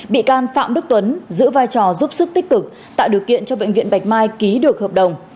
bị can phạm đức tuấn giữ vai trò giúp sức tích cực tạo điều kiện cho bệnh viện bạch mai ký được hợp đồng